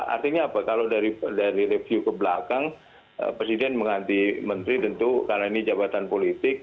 artinya apa kalau dari review ke belakang presiden mengganti menteri tentu karena ini jabatan politik